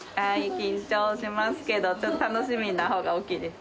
緊張しますけど、ちょっと楽しみなほうが大きいです。